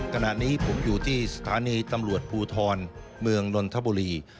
ขณะนี้ผมอยู่ที่สถานีตำรวจภูทรเมืองนนทบุรี